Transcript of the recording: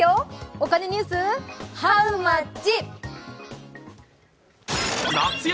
お金ニュース、ハウマッチ！